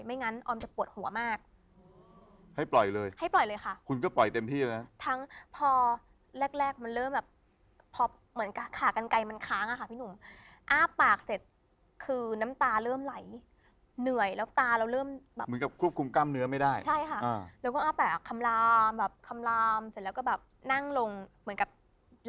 ทักได้ไหมคือออมต้องอยู่ในช่วงที่แบบทำบุญบ่อย